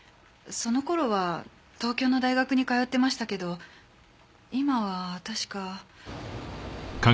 その頃は東京の大学に通っていましたけど今は確か。